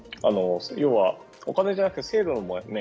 要はお金じゃなくて制度の面。